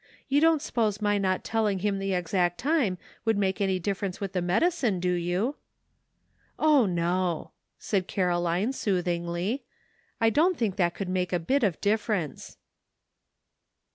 You don't suppose my not telling him the exact time could make any difference with the medicine, do you ?'* A TRYING POSITION. 139 " O, no !" said Caroline soothingly, " I don't think that could make a bit of difference."